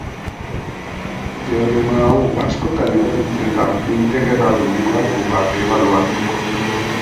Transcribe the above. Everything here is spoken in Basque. Teorema hau askotan erabiltzen da integral mugatuak ebaluatzeko.